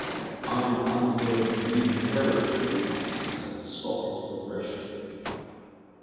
I am undergoing immunotherapy to treat my cancer and stop its progression.